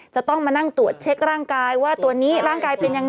จะต้องมานั่งตรวจเช็คร่างกายว่าตัวนี้ร่างกายเป็นยังไง